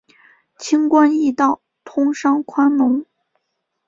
轻关易道，通商宽农